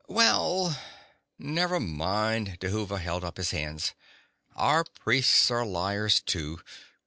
"Well " "Never mind," Dhuva held up his hands. "Our priests are liars too.